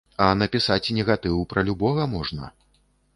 А напісаць негатыў пра любога можна.